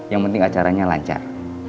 yang penting acaranya lancar